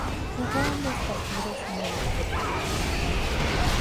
Jugó ambos partidos y no marcó puntos.